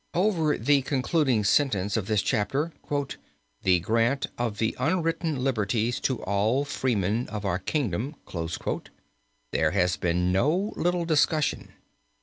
Over the concluding sentence of this chapter, "the grant of the unwritten liberties to all freemen of our kingdom," there has been no little discussion.